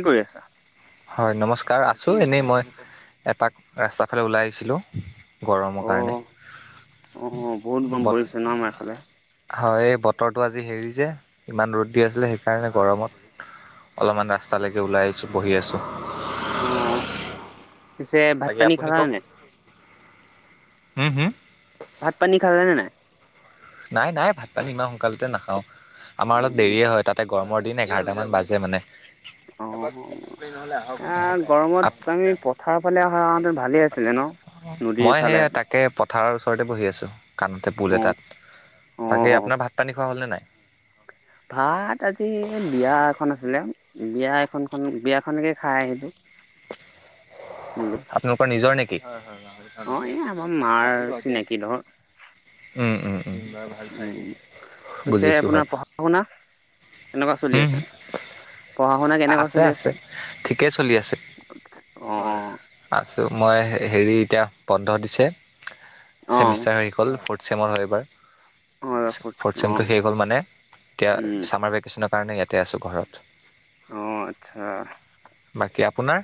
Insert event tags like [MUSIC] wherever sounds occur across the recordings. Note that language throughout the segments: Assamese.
কি কৰি আছা। হয় নমস্কাৰ আছো এনেই মই এপাক ৰাস্তাৰ ফালে ওলাই আহিছিলোঁ। গৰমৰ কাৰণে অ', অ', বহুত গৰম বত পৰিছে ন আমাৰ এইফালে। হয়। বতৰটো আজি হেৰি যে ইমান ৰ'দ দি আছিলে সেইকাৰণে গৰমত। অলপমান ৰাস্তালৈকে ওলাই আহিছোঁ বহি আছোঁ। অ পিছে ভাত বাকী পানী খালা নে নাই? হম হুম। ভাত পানী খালালে নে নাই? নাই নাই ভাত পানী ইমান সোনকালতে নাখাও আমাৰ অলপ উম, দেৰিয়ে হয় তাতে গৰমৰ দিন এঘাৰটা মান বাজে মানে। অ', নহলে আ, গৰমত আমি পথাৰৰ ফালে অহাহেঁতেন ভালেই আছিলে আহকাতি লম ন? নদীৰ মই। সেই ফালে তাকে পথাৰৰ ওচৰতে বহি আছো কাষতে পুল অ', এটাত। বাকী অ', আপোনাৰ ভাত পানী খোৱা হ'ল নে নাই। ভাত আজি বিয়া এখন আছিলে। বিয়া এখন খন বিয়াখনকে খাই আহিলো বোলো আপোনালোকৰ নিজৰ নেকি। অ এই আমাৰ মাৰ চিনাকি ধৰ। উম, উম, উম। উম পিছে বুজিছো আপোনাৰ হয়। পঢ়া শুনা সেনেকোৱা চলি উম, আছে। পঢ়া শুনা কেনেকুৱা আছে চলি আছে ঠিকেই চলি আছে অ', আছে। ত মই হেৰি এতিয়া বন্ধ দিছে অ', ছেমিষ্টাৰ হেৰি হ'ল চেমত হয় এইবাৰ অ ফ'ৰ্থ চেমটো অ', শেষ হ'ল মানে এতিয়া উম ছামাৰ ভেকেশ্যনত মানে ইয়াতে আছো ঘৰত, অ আচ্ছা বাকী আপোনাৰ?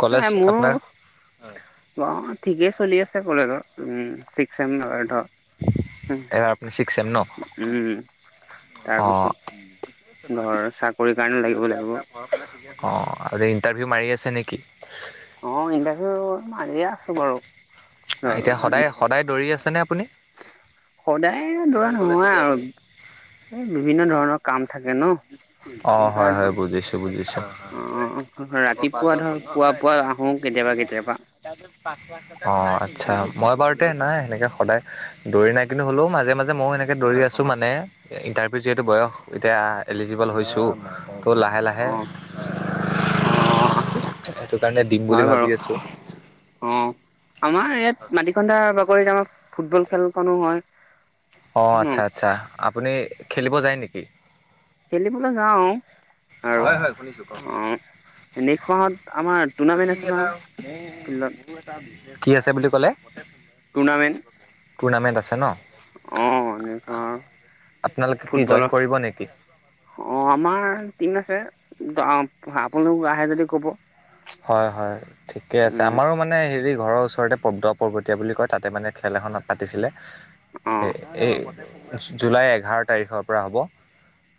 কলেজ নাই মোৰো আপোনাৰ অ ঠিকেই চলি আছে কলেজৰ উ চিক্স চেম ধৰ এবাৰ আপুনি ছিক্স চেম ন? উম অ', তাৰপিছত ধৰ চাকৰিত বাকী আপোনাৰ ভৰষাতে নেকি অ ইন্টাৰভিউ মাৰি আছে নেকি অ ইণ্টাৰভিউ মাৰিয়ে আছো বাৰু এতিয়া সদায় সদায় দৌৰি আছেনে আপুনি? সদায় দৌৰা নহয় আৰু এই বিভিন্ন ধৰণৰ কা অ হয় হয় বুজিছোঁ বুজিছোঁ। অ ৰাতিপুৱা ধৰ পুৱা পুৱা আহো কেতিয়াবা কেতিয়াবা অ আচ্ছা উম মই বাৰুতে নাই সেনেকে সদায় দৌৰি নাই কিন্তু হ'লেও মাজে মাজে মই সেনেকে দৌৰি আছো মানে ইণ্টাৰভিউ যিহেতু, বয়স এতিয়া এলিজিবল হৈছোঁ ত' লাহে লাহে অ অ সেইটো কাৰণে দিম বুলি হয় ভাবি বাৰু আছো। অ আমাৰ ইয়াত মাটিকন্দা বাকৰিত আমাৰ ফুটবল খেলখনো হয়। অঁ আচ্ছা ন। আচ্ছা আপুনি খেলিব যায় নেকি? খেলিবলৈ যাওঁ- হয় হয় শুনিছোঁ কওক নেক্স মাহত আমাৰ টুৰ্ণামেন্ট আছে ন ফিল্ডত। কি আছে বুলি ক'লে টুৰ্ণামেণ্ট আছে ন, অঁ এনেকুৱা আপোনালোকে কি জইন ফুটবল কৰিব নেকি অ আমাৰ টিম আছে আপোনালোকে আহে যদি কব। হয় হয় ঠিকেই আছে উম, আমাৰো মানে হেৰি ঘৰৰ ওচৰতে প্দ পৰ্বতীয়া বুলি কয় তাতে মানে খেল এখন পাতিছিলে, এ অ', এই জুলাই এঘাৰ তাৰিখৰ পৰা হ'ব।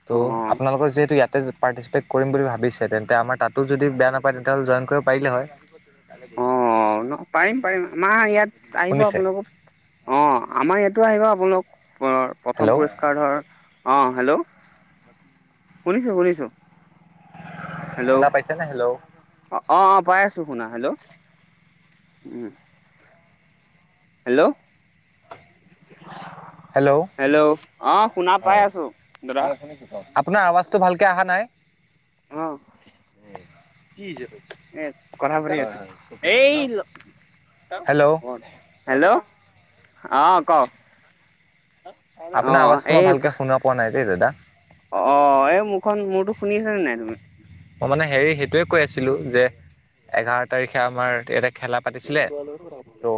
ত' অ'। আপোনালোকৰ যিহেতু ইয়াতে পাৰ্টিচিপেট কৰিম বুলি ভাবিছে তেন্তে আমাৰ তাতো যদি বেয়া নাপায় তে, তেওঁ জইন কৰিব পাৰিলে হয়। মা ইয়াত আহিব শুনিছে আপোনালোকক অ আমাৰ ইয়াতো আহিব আপোনালোক পুনৰ প্ৰথম হেল্ল' পুৰস্কাৰ ধৰ অ হেল্ল' শুনিছো শুনিছো হেল্লঅ শুনা পাইছেনে হেল্ল' অ অ পাই আছো শুনা হেল্ল' অ ওম হেল্ল'অ হেল্ল'অ শুনা পাই হয় আছো দাদা হয় শুনিছো কওক আপোনাৰ আৱাচ মাতটো ভালকে অহা নাই অহ কি ক এই কথা পাতি আছে এই ল ত হেল্ল' কোন হেল্ল' অ ক অ আপোনাৰ আৱাজটো এই মই ভালকে শুনা পোৱা নাই দেই দাদা অ এই মোৰখন মোৰতো শুনি আছ নে নাই তুমি? মই মানে হেৰি সেইটোয়ে কৈ আছিলো যে এঘাৰ তাৰিখে আমাৰ ইয়াতে খেলা পাতিচিলে ত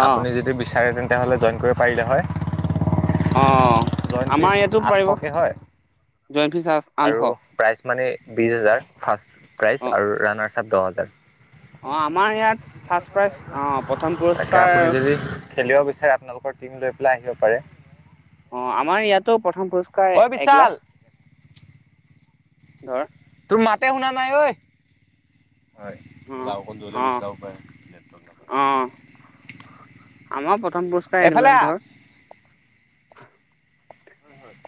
অ আপোনি যদি বিছাৰে জেন নহলে জইন কৰিব পাৰিলে হয়। অ আমাৰ জয়নফিছ ইয়াতো পাৰিব আঠশকে হয়। জইন ফিজ আঠশ আৰু প্ৰাইজ মানে বিশ হাজাৰ ফাৰ্ষ্ট অ প্ৰাইজ আৰু ৰাণা কাপ দহ হাজাৰ অ আমাৰ ইয়াত ফাৰ্ষ্ট প্ৰাইজ অ প্ৰথম তাকে আপুনি পুৰস্কাৰ যদি খেলিব বিচাৰে আপোনালোকৰ টিম লৈ পেলাই আহিব পাৰে। অ আমাৰ ইয়াতো প্ৰথম পুৰস্কাৰ ঐ এ বিশাল লাখ ধৰ তোৰ মাতে শুনা নাই ঐ হয় অ আও অকণ দুৰলে অ গুচি যাব পাৰে নেটৱৰ্ক অ নাপায়। আমাৰ প্ৰথম পুৰস্কাৰ এক লাখ ধৰ হয় হয়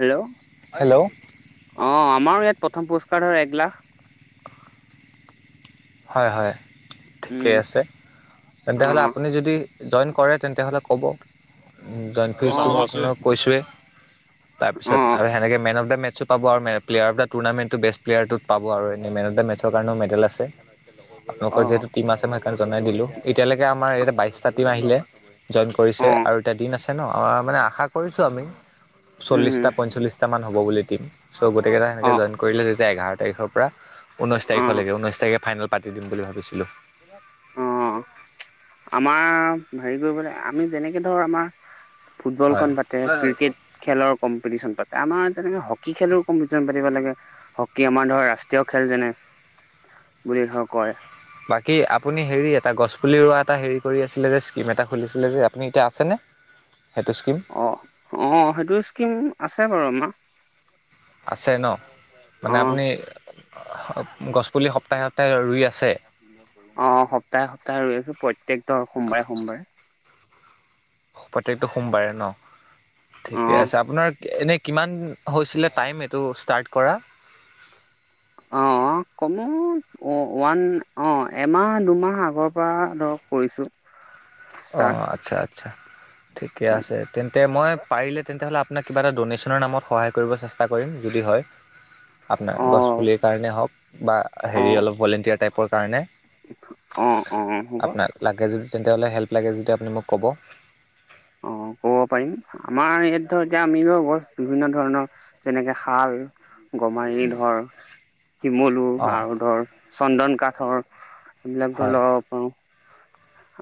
হেল্ল' অ আমাৰো ইয়াত প্ৰথম পুৰস্কাৰ হয় এক লাখ হয় হয় ঠিকে উম আছে তেন্তে হ'লে অ আপুনি যদি জইন কৰে তেন্ত হ'লে ক'ব জইন ফ্ৰী অ টো আপোনাৰ কৈছোৱে তাৰ অ পিছত আৰু সেনেকে মেন অফ দা মে মেছ প আৰু প্লোৰফ দ টৰ্ণামেণ্ট বেষ্ট প্লেয়াৰটোত পাব আৰু এ মেন অফ দা মেছৰ কাৰণও মেডেল আছে অ আপোনালোকৰ যিহেতু টীম আছে মই সেইকাৰণে জনাই দিলোঁ এতিয়ালৈকে আমাৰ ইয়াতে বাইশটা টিম আহিলে জইন কৰিছে অ আৰু এতিয়া দিন আছে ন মানে আশা কৰিছোঁ আমি উম চল্লিছটা পঞ্চল্লিছটামান হ'ব বুলি টিম চ' গোটকেইটা অ সেনেকে জইন কৰিলে যেতিয়া এঘাৰ তাৰিখৰ পৰা ঊনৈছ অ তাৰিখলৈকে ঊনৈছ তাৰিখে ফাইনেল পাতি দিম বুলি ভাবিছিলোঁ অ আমাৰ হেৰি কৰিবলে আমি যেনেকে ধৰ আমাৰ হয় ফুটবলখন পাতে ক্ৰিকেট খেলৰ কম্পিটিশন পাতে আমাৰ তেনেকে কি খেলো কম্পিটিচন পাতিব লাগে হকী আমাৰ ধৰা ৰাষ্ট্ৰীয় খেল যেনে বুলি ধৰ কয় বাকী আপুনি হেৰি এটা গছপুলি ৰোৱা এটা হে কৰি আছিলে যে স্কিম এটা খুলিছিলে যে আপুনি এতিয়া আছেনে [INAUDIBLE] সেইটো স্কিম অ অ সেইটো স্কিম আছে বাৰু আমাৰ আছে ন মানে অ আপুনি গছপুলি সপ্তাহে সপ্তাহে ৰুই আছে অ সপ্তাহে সপ্তাহে ৰুই আছো প্ৰত্যেক ধৰ সোমবাৰে সোমবাৰে প্ৰত্যেকটো সোমবাৰে ন ঠিকে অ আছে আপোনাৰ এনে কিমান হৈছিলে টাইম এইটো ষ্টাৰ্ট কৰা অ অঁ কমেও ওৱান অঁ এমাহ দুমাহ আগৰ পৰা ধৰক কৰিছোঁ [INAUDIBLE] অ আচ্ছা আচ্ছা ঠিকে আছে তেন্তে মই পাৰিলে তেন্ত হলে হয় মানে কিবা এটা দনেচনৰ নামত সহায় কৰিব চেষ্টা কৰিম যদি হয় আপোনাৰ অ', গছপুলিৰ কাৰণে হওক বা হেৰি অ', অলপ ভলেণ্টিয়াৰ টাইপৰ কাৰণে [UNINTELLIGIBLE] অ', হ'ব আপোনাক লাগে যদি তেন্তে হ'লে হেল্প লাগে যদি আপুনি মোক ক'ব অ ক'ব পাৰিম আমাৰ ইয়াত ধৰ এতিয়া আমি গছ বিভিন্ন ধৰণৰ যেনেকে খাল গমাৰি ধৰ শিমলু অঁ আৰু ধৰ চন্দন কাঠ সেইবিলাক হয় লগাব পাৰো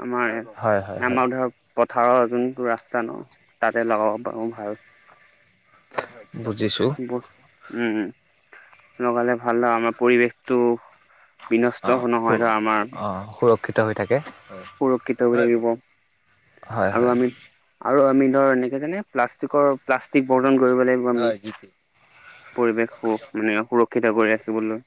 বুজি পোৱা নাই হয় হয় হয় ভইচতো ভাল কে পথাৰৰ যোনটো ৰাস্তা ন তাতে লগাব পাৰো ভাল বুজিছোঁ [INAUDIBLE] উম লগালে ভাল আমাৰ পৰিৱেশটো বিনষ্ট অ নহয় ধৰ আমাৰ অ সুৰক্ষিত হৈ থাকে সুৰক্ষিত হৈ থাকিব হয় আৰু হয় আমি আৰু আমি প্লাষ্টিকৰ প্লাষ্টিক বটল সংৰক্ষণ কৰিব লাগিব আমি পৰিৱেশ মানে সুৰক্ষিত সুৰক্ষিত কৰি ৰাখিবলৈ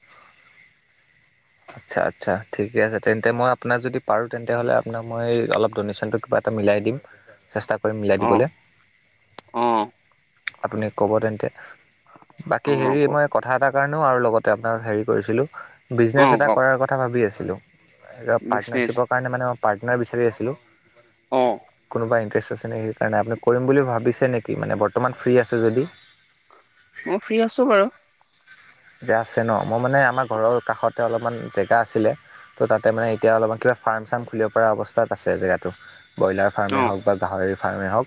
আচ্ছা আচ্ছা ঠিকে আছে তেন্তে মই আপোনাক যদি পাৰো তেন্তে হ'লে আপোনাক মই অলপ ড'নেশ্যনটো কিবা হ'লে মিলাই দিম চেষ্টা কৰিম মিলাই অ দিবলে অ আপুনি কব তেন্তে বাকী অ হেৰি ক মই কথা এটাৰ কাৰণে এনেও আৰু লগতে আপোনাৰ হেৰি কৰিছিলোঁ। অ বিজিনেছ এটা- এটা কওক কৰাৰ কথা ভাৱি আছিলোঁ বিজনেচ পাৰ্টনাৰশ্বিপৰ কাৰণে মানে মই পাৰ্টনাৰ বিচাৰি আছিলোঁ। অ কোনোবা ইন্টাৰেষ্ট? আছেন? সেইকাৰণে আপুনি কৰিম বুলি ভাৱিছে নেকি? মানে বৰ্তমান ফ্ৰী আছে যদি। মই ফ্ৰী আছো বাৰু। যে আছে ন'? মই মানে আমাৰ ঘৰৰ কাষতে অলপমান জেগা আছিলে, ত' তাতে মানে এতিয়া অলপমান কিবা ফাৰ্ম-চাৰ্ম খুলিব পৰা অৱস্থাত আছে জেগাটো। ব্ৰইলাৰ অ ফাৰ্মেই হওক বা গাহৰি ফাৰ্মেই হওক,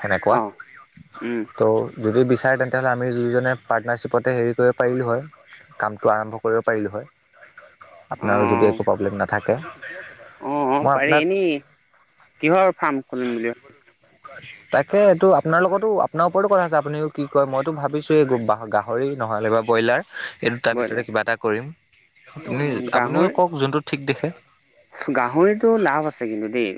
সেনেকুৱা অ উম ত' যদি বিচাৰে তেন্তেহ'লে আমি দুইজনে পাৰ্টনাৰশ্বিপতে হেৰি কৰিম। পাৰিমনে বাৰু? কামটো আৰম্ভ কৰিব পাৰিলো হ'য়। আপোনাৰ যদি একো প্ৰব্লেম না থাকে। অঁ, অঁ পাৰি। এনেই কিহৰ ফাৰ্ম খুলিম বুলি তাকে, এইটো আপোনাৰ লগতো আপোনাৰ ওপৰটো কথা আছে। আপুনিও কি কয়, মইটো ভাৱিছো, এই গো বা গাহৰি নহ'লেবা এইটো তাৰভিতৰতে ব্ৰইলাৰ কিবা এটা কৰিম। অ আপুনি গাহৰি আপুনিও কওক যোনটো ঠিক দেখে। গাহৰিটো লাভ আছে কিন্তু দেই।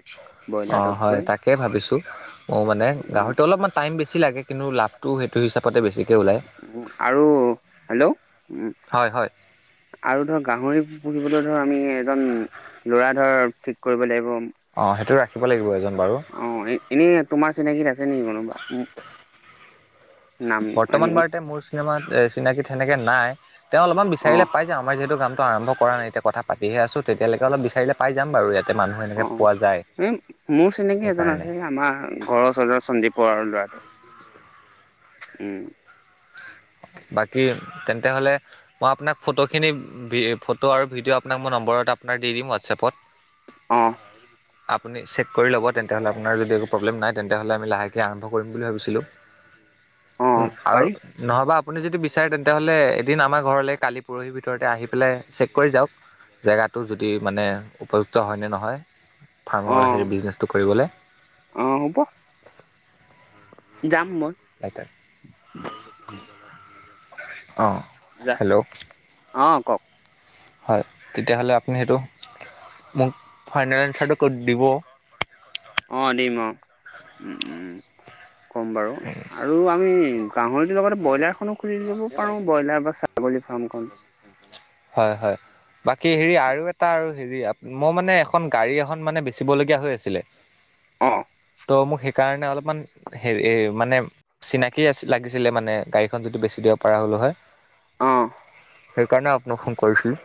অঁ হ'য়, ব্ৰইলাৰটোতকৈ তাকে ভাৱিছোঁ। মো মানে গাহৰিটো অলপমান টাইম বেছি লাগে। কিন্তু লাভটো সেইটো হিচাপতে বেছি। উম, আৰু হেল্ল! উম হয় হয় আৰু ধৰ গাহৰি পুঁহিবলৈ ধৰ আমি এজন ল'ৰা ধৰ ঠিক কৰিব লাগিব। অঁ সেইটো, ৰাখিব লাগিব এজন। বাৰু অঁ, এ এনে তোমাৰ চিনাকিত আছে নেকি কোনোবা? ওঁ বৰ্তমান বাৰতে মোৰ চিনেমাত এ চিনাকিত সেনেকে নাই। তেওঁ অলপমান বিচাৰিলে অ', পায় যে। আমাৰ যিহেতু কামটো আৰম্ভ কৰা নাই। এতিয়া কথা পাতিহে আছোঁ। তেতিয়ালৈকে অলপ বিচাৰিলে পাই যাম বাৰু ইয়াত। অঁ, মোৰ চিনাকি এজন সেইকাৰণে আছে। আমাৰ ঘৰৰ ওৰৰ সন্দীপ বড়াৰ ল'ৰা। উম। বাকি, তেন্তেহ'লে মই আপোনাক ফটোখিনি, বি এ ফটো আৰু ভিডিঅ' আপোনাক মোৰ নম্বৰত তাৰপৰা দি দিম হোৱাটছএপত। অঁ আপুনি চেক কৰি ল'ব তেন্তে হ'লে। আপোনাৰ যদি একো প্ৰব্লেম নাই। তেন্তে হ'লে আমি লাহেকে আৰম্ভ কৰিম বুলি ভাৱিছিলোঁ। অ', ওহ আৰু পাৰি নহবা আপুনি যদি বিচাৰে তেন্তহ'লে এদিন আমাৰ ঘৰলে কালি-পৰহি ভিতৰতে আহিপেলাই চেক কৰি যাওঁক। জেগাটো যদি মানে, উপযুক্ত হ'য় নে নহয়? ফাৰ্মৰ অ', হেৰি, বিজিনেছটো কৰিবলে। অ', হ'ব যাম। মই এটা অঁ, হেল্ল! অঁ, কওঁক? হ'য়, তেতিয়া হ'লে আপুনি সেইটো মোক ফাইনেল আঞ্চাৰটো ক' দিব? অঁ, দিম অঁ। ওঁ উম, কম বাৰু আৰু আমি গাহঁৰিটোৰ লগতে ব্ৰইলাৰ এখনো খুলি ল'ব পাৰোঁ। ব্ৰইলা বা ছাগলী ফাৰ্ম এখন। হয় হয় বাকি হেৰি আৰু এটা আৰু হেৰি, আপ -মই মানে এখন গাড়ী এখন মানে, বেচিবলগীয়া হৈ আছিলে অঁহ্‌ ত' মোক সেইকাৰণে অলপমান হেৰি মানে, চিনাকি আছি- লাগি ছিলে মানে, গাড়ীখন যদি বেছি দিব পাৰা হ'লো হ'য়? অ'। সেইকাৰণে আপোনাক ফোন কৰিছিলোঁ।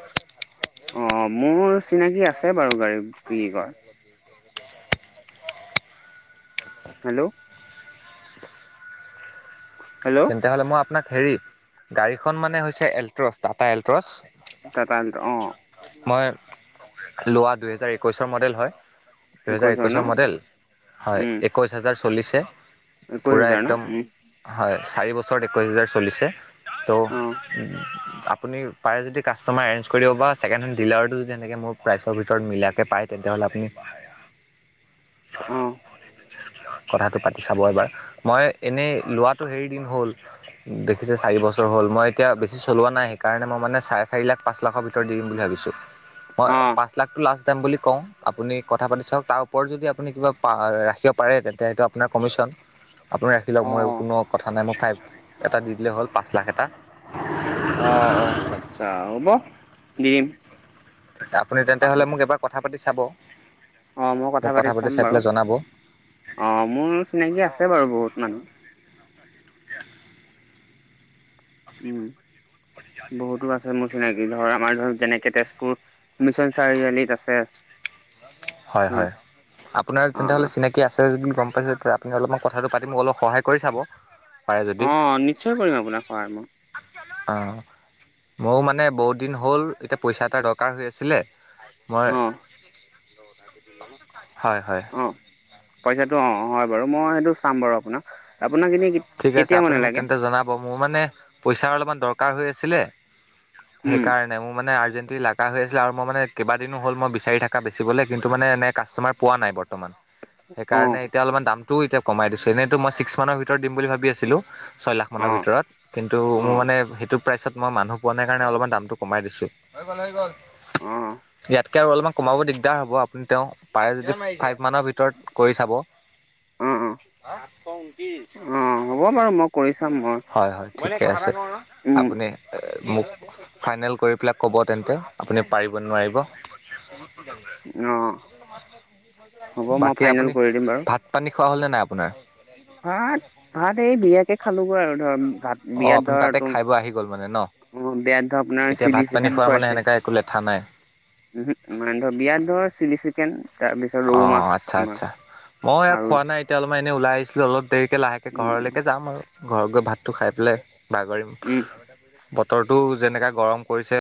অ', মোৰ চিনাকি আছে বাৰু গাড়ী বিক্ৰী কৰা। হেল্ল' হেল্ল' তেন্তে হ'লে মই আপোনাক হেৰি গাড়ীখন মানে হৈছে এল্ট্ৰছ টাটা এল্ট্ৰছ টাটা এল্ট্ৰ অ মই লোৱা দুহেজাৰ একৈশৰ মডেল হয় দুহেজাৰ একৈশ হাজাৰ ন একৈছৰ মডেল হয় উম, একৈছ হাজাৰ চলিছে একৈশ পূৰা হাজাৰ ন একদম উম, হয় চাৰি বছৰত একৈছ হোজাৰ চলিছে তো অ', আপুনি পাৰে যদি কাষ্টমাৰ এৰেঞ্ কৰি দিব বা ছেকেণ্ড হেণ্ড ডিলাৰতটো যদি তেনেকৈ মোৰ প্ৰাইচৰ ভিতৰত মিলাকৈ পায় তেনে তেতিয়াহ'লে আপুনি [INAUDIBLE] অ', কথাটো পাতি চাব এবাৰ মই এনেই লোৱাত হেৰী দিন হ'ল দেখিছে চাৰি বছৰ হ'ল মই এতিয়া বেছি চলোৱা নাই সেইকাৰণে মই মানে চাৰে চাৰি লাখ পাঁচ লাখৰ ভিতৰত দি দিম বুলি ভাবিছোঁ মই অ', পাঁচ লাখটো লাষ্ট বুলি কওঁ আপুনি কথা পাতি চাওক তাৰ ওপৰত যদি আপুনি কিবা ৰাখিব পাৰে তেন্ত সেইটো আপোনাৰ কমিশন আপোনি ৰাখিলওক মই অ', হ'ল পাঁচ লাখ এটা অ অ আচ্ছা হ'ব দিম আপুনি তেন্তে হ'লে মোক এবাৰ কথা পাতি চাব অ মই কথা মোক পাতি চাম চাই বাৰু পেলাই জনাব অ মোৰ চিনাকি আছে বাৰু বহুত মানুহ উম বহুতো আছে মোৰ চিনাকি ধৰ আমাৰ ধৰ যেনেকে তেজপুৰ মিছন চাৰিআলিত আছে [INAUDIBLE] হয় হয় আপোনাৰ তেন্ত অ', হ'লে চিনাকি আছে যদি গম পাইছে আপুনি অলপমান কথাটো পাতি মোক অলপ সহায় কৰি চাব পাৰে যদি অ নিশ্চয় কৰিম আপোনাক সহায় মই অ মোৰো মানে বহুত দিন হ'ল এতিয়া পইচা এটা দৰকাৰ হৈ আছিলে মই অ হয় হয় অ', পইচাটো অ হয় বাৰু মই সেইটো চাম বাৰু আপোনাক এনেই ঠিক আছে কেতিয়া আপুনি মানে মোক লাগে তেন্তে জনাব মোৰ মানে পইচাৰ অলপমান দৰকাৰ হৈ আছিলে উম সেইকাৰণে মোৰ মানে আৰ্জেণ্ট লগা হৈ আছিলে আৰু মই মানে কেইবাদিনো হ'ল মই বিচাৰি থাকা বেচিবলৈ কিন্তু মানে এনে কাষ্টমাৰ পোৱা নাই বৰ্তমান, অ সেইকাৰণে এতিয়া অলপমান দামটোও এতিয়া কমাই দিছো এনে মই ছিক্স মানৰ ভিতৰত দিম বুলি ভাবি আছিলো ছয় লাখ মানৰ অ ভিতৰত কিন্তু অ অ মোৰ মানে সেইটো প্ৰাইচত মই মানুহ পোৱা নাই কাৰণে অলপমান দামটো কমাই দিছোঁ। হৈ গল হৈ গল অ ইয়াতকে আৰু অলপমান কমাব দিগদাৰ হ'ব আপুনি তেওঁ পাৰে যদি ফাইভ মানৰ ভিতৰত কৰি চাব। অ হা অ হ'ব বাৰু মই কৰি চাম মই হয় হয় মই এনে ঠিকে কথা এটা আছে কওঁ ন উম আপুনি মোক ফাইনেল কৰি পেলাই ক'ব তেন্তে আপুনি পাৰিব নোৱাৰিব অ হ'ব [UNINTELLIGIBLE] মই বাকী ফাইনেল আপুনি কৰি দিম বাৰু ভাত পানী খোৱা হ'ল নে নাই আপোনাৰ ভাত ভাত এই বিয়াকে খালোঁ আৰু ধৰ ভাত অ বিয়াত আপুনি ধৰ তাতে তোম খাই ব আহি গ'ল মানে ন অ বিয়াত ধৰ আপোনাৰ এতিয়া চিলি ভাত পানী খোৱা মানে সেনেকা একো লেঠা নাই মম হো ইমান ধৰ বিয়াত‌ ধৰ চিকেন তাৰপিছত ৰৌ অ মাছ আচ্ছা আমাৰ আচ্ছা মই ইয়াক আৰু খোৱা নাই এতিয়া অলপমান এনেই ওলাই আহিছিলোঁ অলপ হাতেৰিকৈ লাহেকৈ উম ঘৰলৈকে যাম আৰু ঘৰত গৈ ভাতটো খাই পেলাই বাগৰিম উম বতৰ টো যেনেকাে গৰম কৰিছে